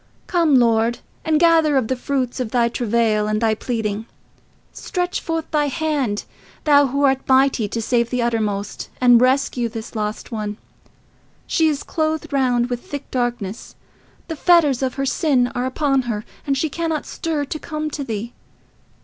Come Lord, and gather of the fruits of thy travail and thy pleading. Stretch forth thy hand, thou who art mighty to save to the uttermost, and rescue this lost one. She is clothed round with thick darkness. The fetters of her sin are upon her, and she cannot stir to come to thee.